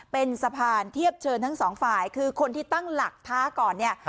เป็นสะพานเทียบเชิญทั้งสองฝ่ายคือคนที่ตั้งหลักท้าก่อนเนี่ย